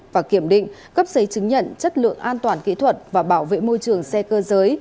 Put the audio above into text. và kiểm định cấp giấy chứng nhận chất lượng an toàn kỹ thuật và bảo vệ môi trường xe cơ giới